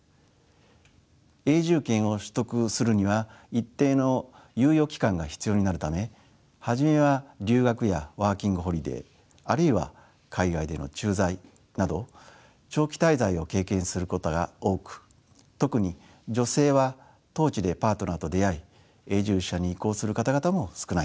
永住権を取得するには一定の猶予期間が必要になるため初めは留学やワーキングホリデーあるいは海外での駐在など長期滞在を経験することが多く特に女性は当地でパートナーと出会い永住者に移行する方々も少なくないようですね。